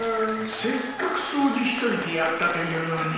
せっかく掃除しといてやったというのに。